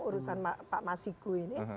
urusan pak masiku ini